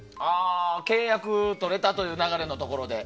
契約取れたという流れのところで？